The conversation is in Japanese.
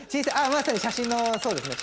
まさに写真のそうですね